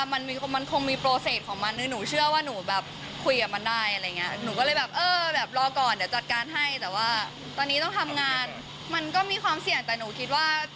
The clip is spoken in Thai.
ไปฟังคำตอบจากน้องนิ้งกันค่ะ